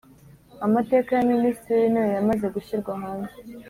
Amateka ya Minisitiri w’intebe yamaze gushyirwa hanze